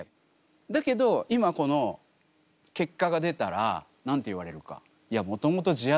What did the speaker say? だけど今この結果が出たら何て言われるか？